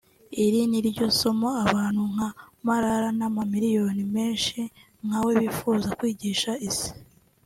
Iri niryo somo abantu nka Malala n’amamiliyoni menshi nka we bifuza kwigisha Isi